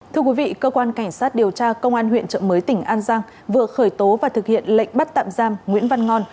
thưa quý vị cơ quan cảnh sát điều tra công an huyện trợ mới tỉnh an giang vừa khởi tố và thực hiện lệnh bắt tạm giam nguyễn văn ngon